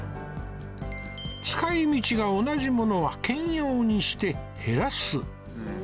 使い道が同じものは兼用にして減らす